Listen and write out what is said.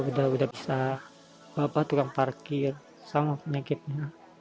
bapak sudah bisa bapak itu yang parkir sama penyakitnya